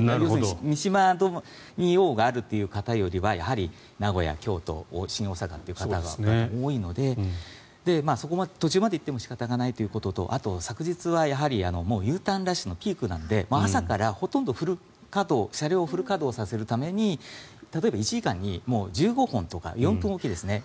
三島に用があるという方よりはやはり名古屋、京都、新大阪に用がある方が多いので途中まで行っても仕方がないということとあと、昨日はもうＵターンラッシュのピークなので朝からほとんど車両をフル稼働させるために例えば１時間に１５本とか４分おきですね